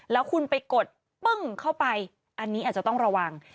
แล้วคุณไปกดปึ้งเข้าไปอันนี้อาจจะต้องระวัง